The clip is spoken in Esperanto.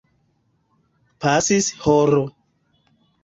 Pasis horo.